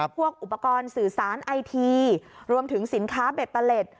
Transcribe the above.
พวกอุปกรณ์สื่อสารไอทีรวมถึงสินค้าเบตเตอร์เล็ต